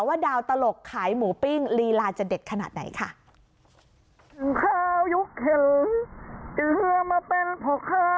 ว่าดาวตลกขายหมูปิ้งลีลาจะเด็ดขนาดไหนค่ะ